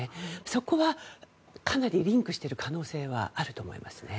そこは、かなりリンクしている可能性はあると思いますね。